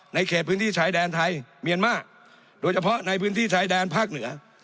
เขตพื้นที่ชายแดนไทยเมียนมาร์โดยเฉพาะในพื้นที่ชายแดนภาคเหนือ